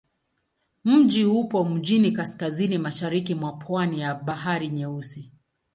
Mji upo mjini kaskazini-mashariki mwa pwani ya Bahari Nyeusi.